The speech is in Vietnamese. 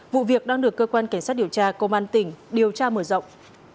vụ việc đang được cơ quan cảnh sát điều tra công an tỉnh điều tra mở rộng